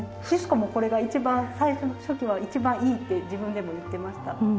シスコもこれが一番最初の初期は一番いいって自分でも言ってました。